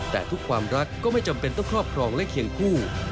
แต่ทุกความรักก็ไม่จำเป็นต้องครอบครองและเคียงคู่